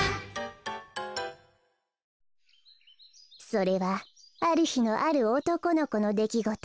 それはあるひのあるおとこのこのできごと。